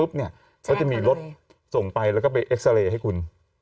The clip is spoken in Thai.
เขาจะมีรถส่งไปแล้วก็ไปเอ็กซาเรย์ให้คุณ